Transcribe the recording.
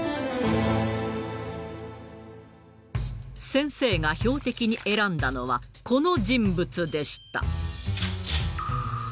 先生が標的に選んだのはこの人物でした。